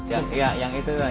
ya yang itu lah